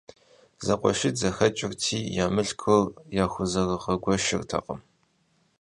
ЗэкъуэшитӀ зэхэкӀырти, я мылъкур яхузэрыгъэгуэшыртэкъым.